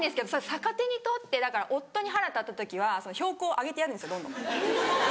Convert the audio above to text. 逆手にとってだから夫に腹立った時は標高を上げてやるんですよどんどん。